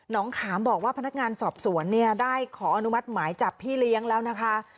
ขามบอกว่าพนักงานสอบสวนเนี่ยได้ขออนุมัติหมายจับพี่เลี้ยงแล้วนะคะ